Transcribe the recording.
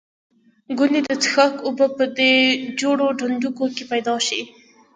ګوندې د څښاک اوبه په دې جوړو ډنډوکو کې پیدا شي.